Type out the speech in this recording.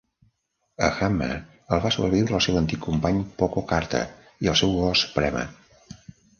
A Hammer el van sobreviure el seu antic company, Poco Carter, i el seu gos Prema.